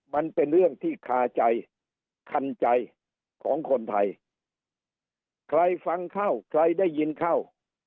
มันเป็นเรื่องที่คาใจคันใจของคนไทยใครฟังเข้าใครได้ยินเข้า